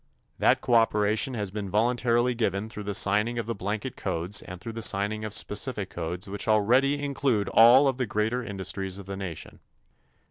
That cooperation has been voluntarily given through the signing of the blanket codes and through the signing of specific codes which already include all of the greater industries of the nation.